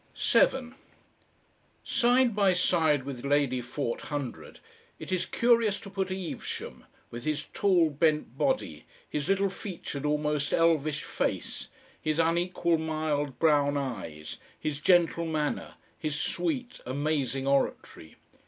7 Side by side with Lady Forthundred, it is curious to put Evesham with his tall, bent body, his little featured almost elvish face, his unequal mild brown eyes, his gentle manner, his sweet, amazing oratory.